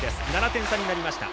７点差になりました。